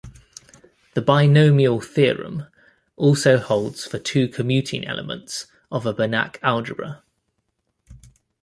The binomial theorem also holds for two commuting elements of a Banach algebra.